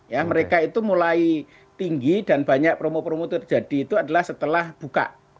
ya mereka itu mulai tinggi dan banyak promo promo terjadi itu adalah setelah buka